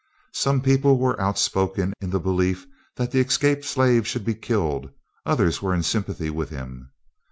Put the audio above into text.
Some people were outspoken in the belief that the escaped slave should be killed; others were in sympathy with him.